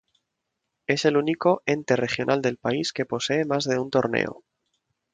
Es el único ente regional del país que posee más de un torneo.